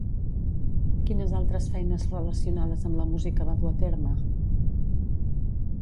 Quines altres feines relacionades amb la música va dur a terme?